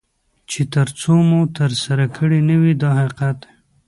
چې تر څو مو ترسره کړي نه وي دا حقیقت دی.